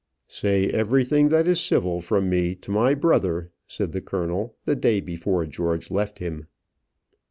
"Say everything that is civil from me to my brother," said the colonel, the day before George left him.